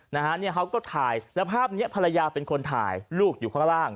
นะฮะเนี่ยเขาก็ถ่ายแล้วภาพเนี้ยภรรยาเป็นคนถ่ายลูกอยู่ข้างล่าง